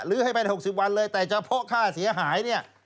ลื้อให้ไป๖๐วันเลยแต่เฉพาะค่าเสียหาย